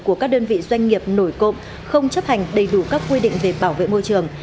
của các đơn vị doanh nghiệp nổi cộng không chấp hành đầy đủ các quy định về bảo vệ môi trường